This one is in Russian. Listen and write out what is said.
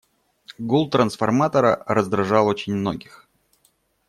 Гул трансформатора раздражал очень многих.